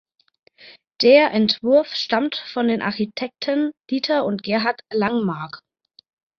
Der Entwurf stammt von den Architekten Dieter und Gerhard Langmaack.